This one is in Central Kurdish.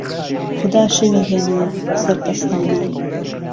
خودا شەوی هێنا سهر دهستانه